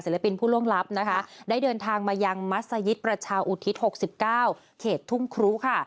ปินผู้ล่วงลับนะคะได้เดินทางมายังมัศยิตประชาอุทิศ๖๙เขตทุ่งครุค่ะ